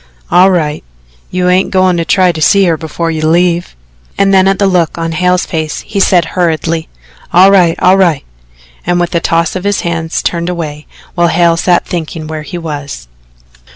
"All right. You ain't goin' to try to see her before you leave?" And then at the look on Hale's face he said hurriedly: "All right all right," and with a toss of his hands turned away, while Hale sat thinking where he was.